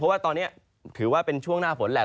เพราะว่าตอนนี้ถือว่าเป็นช่วงหน้าฝนแหละ